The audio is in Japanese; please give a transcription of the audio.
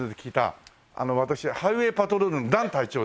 私『ハイウェイ・パトロール』のダン隊長です。